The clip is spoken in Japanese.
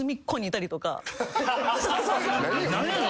何やの？